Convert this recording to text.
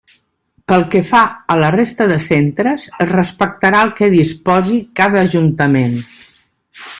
Pel que fa a la resta de centres es respectarà el que disposi cada Ajuntament.